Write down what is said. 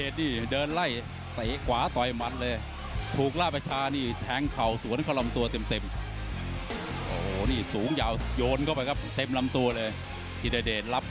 สนุกห้างเดียวเลยครับ